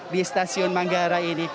di stasiun manggara ini